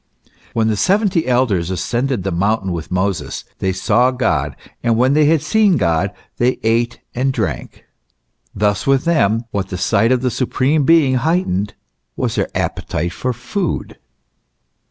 When the seventy elders ascended the mountain with Moses, " they saw God ; and when they had seen God, they ate and drank." t Thus with them what the sight of the Supreme Being height ened was the appetite for food.